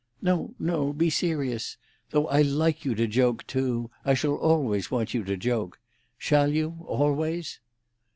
"No, no. Be serious. Though I like you to joke, too. I shall always want you to joke. Shall you, always?"